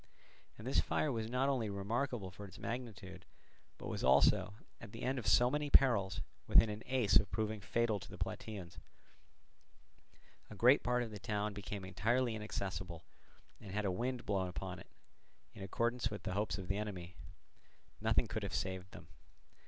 And this fire was not only remarkable for its magnitude, but was also, at the end of so many perils, within an ace of proving fatal to the Plataeans; a great part of the town became entirely inaccessible, and had a wind blown upon it, in accordance with the hopes of the enemy, nothing could have saved them.